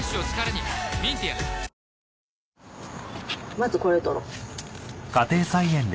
まずこれを採ろう。